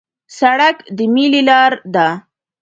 سړک د میلې لار ده.